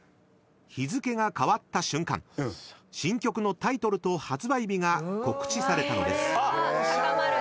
［日付が変わった瞬間新曲のタイトルと発売日が告知されたのです］